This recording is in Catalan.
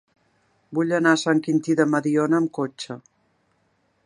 Vull anar a Sant Quintí de Mediona amb cotxe.